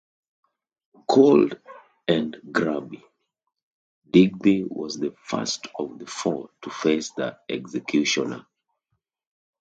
Cold and grubby, Digby was the first of the four to face the executioner.